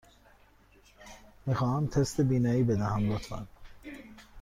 می خواهم تست بینایی بدهم، لطفاً.